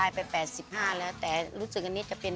คิกคิกคิกคิกคิกคิกคิกคิก